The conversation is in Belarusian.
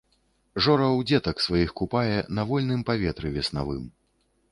Жораў дзетак сваіх купае на вольным паветры веснавым.